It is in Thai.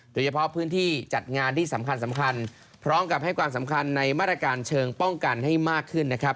โดยเฉพาะพื้นที่จัดงานที่สำคัญพร้อมกับให้ความสำคัญในมาตรการเชิงป้องกันให้มากขึ้นนะครับ